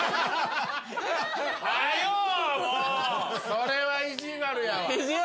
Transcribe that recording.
それは意地悪やわ。